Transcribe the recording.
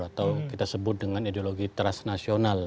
atau kita sebut dengan ideologi transnasional